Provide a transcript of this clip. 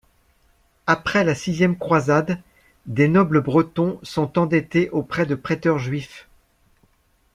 Après la sixième croisade, des nobles bretons sont endettés auprès de prêteurs juifs.